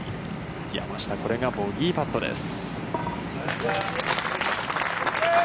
山下、これがボギーパットです。